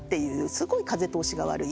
すごい風通しが悪い。